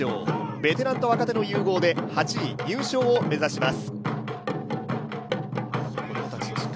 ベテランと若手の融合で８位入賞を目指します。